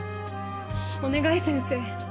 お願い先生